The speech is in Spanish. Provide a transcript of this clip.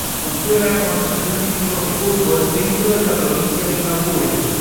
Funciona como asociación de equipos de fútbol dentro de la Provincia de Imbabura.